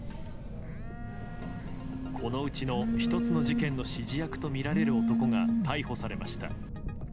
このうちの１つの事件の指示役とみられる男が逮捕されました。